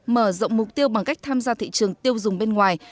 mở rộng mục tiêu bằng cách tham gia thị trường tiêu dùng bên ngoài